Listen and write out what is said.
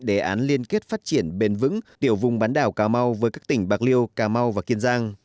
đề án liên kết phát triển bền vững tiểu vùng bán đảo cà mau với các tỉnh bạc liêu cà mau và kiên giang